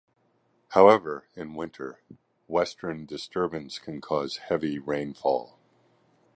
However, in winter, Western Disturbance can cause heavy rainfall.